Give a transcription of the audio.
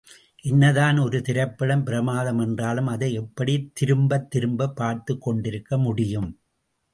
என்னதான் ஒரு திரைப்படம் பிரமாதம் என்றாலும் அதை எப்படித் திரும்பத் திரும்பப் பார்த்துக் கொண்டிருக்க முடியும்.